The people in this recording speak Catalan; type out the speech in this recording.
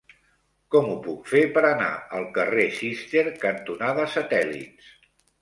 Com ho puc fer per anar al carrer Cister cantonada Satèl·lits?